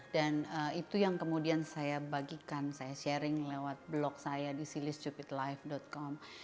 dan itu yang kemudian saya bagikan saya sharing lewat blog saya di sillystupidlife com